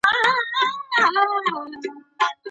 د دې سفر لپاره زغم او مینه اړینه ده.